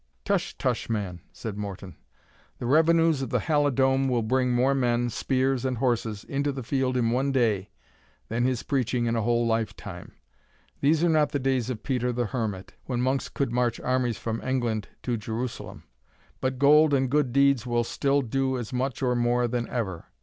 "Tush! tush! man," said Morton, "the revenues of the Halidome will bring more men, spears, and horses, into the field in one day, than his preaching in a whole lifetime. These are not the days of Peter the Hermit, when monks could march armies from England to Jerusalem; but gold and good deeds will still do as much or more than ever.